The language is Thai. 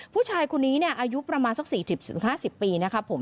ผู้ชายคนนี้เนี่ยอายุประมาณสักสิบสิบห้าสิบปีนะครับผม